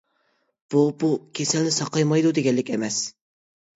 بۇ بۇ كېسەلنى ساقايمايدۇ دېگەنلىك ئەمەس.